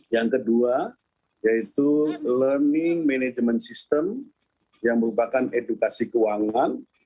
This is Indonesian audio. yang kedua yaitu learning management system yang merupakan edukasi keuangan